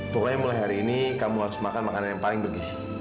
pokoknya mulai hari ini kamu harus makan makanan yang paling bergisi